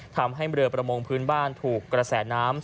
ทำให้เรือประมงพื้นบ้านถูกกระแสน้ำ